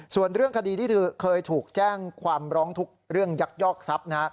ส่วนเรื่องคดีที่เธอเคยถูกแจ้งความร้องทุกข์เรื่องยักยอกทรัพย์นะฮะ